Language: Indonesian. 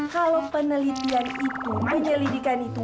kalo penelitian itu